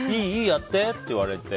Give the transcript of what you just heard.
やって。って言われて。